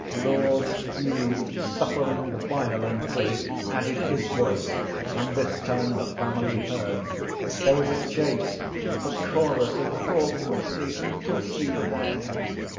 Lord Hugh, suffering violently, added his voice, and this time the family heard. There was a chase, a chorus of 'Poor pussy!' and 'Pussy, then!'